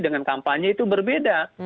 dengan kampanye itu berbeda